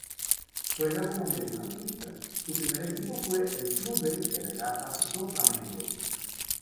Juega como mediocampista, su primer equipo fue el Clube de Regatas do Flamengo.